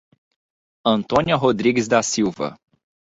Antônia Rodrigues da Silva